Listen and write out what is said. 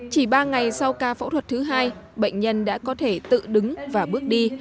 chỉ ba ngày sau ca phẫu thuật thứ hai bệnh nhân đã có thể tự đứng và bước đi